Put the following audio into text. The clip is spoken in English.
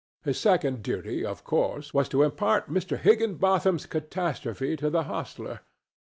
His second duty, of course, was to impart Mr. Higginbotham's catastrophe to the hostler.